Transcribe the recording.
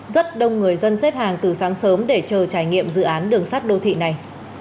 rất đông người dân xếp hàng từ sáng sớm để chờ trải nghiệm dự án đường sắt đô thị này